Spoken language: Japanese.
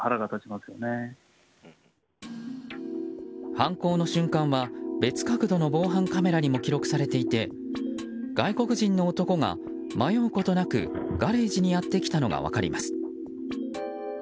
犯行の瞬間は別角度の防犯カメラにも記録されていて、外国人の男が迷うことなくガレージにやってきたのが分かります。